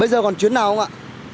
bây giờ còn chuyến nào không ạ